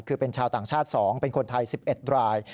คือเป็นชาวต่างชาติ๒เป็นคนไทย๑๑ราย